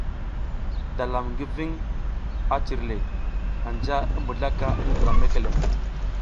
Dalam ngi ving a cirle, anja i mbizlaka i ndram mekelem.